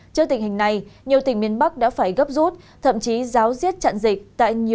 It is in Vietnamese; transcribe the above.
trước tình hình này nhiều tỉnh miền bắc đã phải gấp rút thậm chí giáo riết chặn dịch